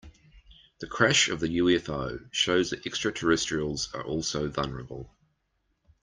The crash of the UFO shows that extraterrestrials are also vulnerable.